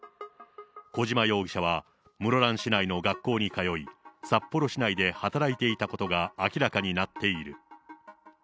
小島容疑者は室蘭市内の学校に通い、札幌市内で働いていたことが明らかになっている。